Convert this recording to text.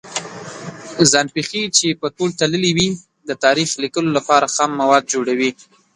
ځان پېښې چې په تول تللې وي د تاریخ لیکلو لپاره خام مواد جوړوي.